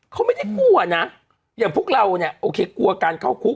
เขาไม่ได้กลัวนะอย่างพวกเราเนี่ยโอเคกลัวการเข้าคุก